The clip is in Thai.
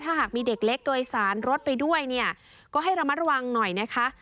ถ้าหากมีเด็กเล็กโดยสารรถไปด้วยเนี่ยก็ให้ระมัดระวังหน่อยนะคะ